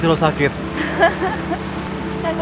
tidak ada yang bisa mencoba